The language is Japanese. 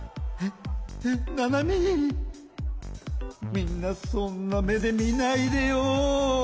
みんなそんな目で見ないでよ。